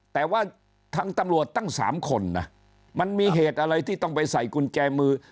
แต่ว่าทางตำรวจตั้ง๓คนนะมันมีเหตุอะไรที่ต้องไปใส่กุญแจมือ